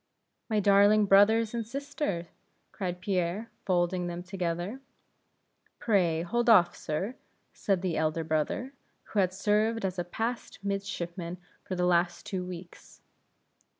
"My darling brothers and sister!" cried Pierre, folding them together. "Pray, hold off, sir," said the elder brother, who had served as a passed midshipman for the last two weeks.